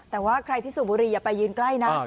แต่ว่าใครที่สูบบุรีอย่าไปยืนใกล้นะ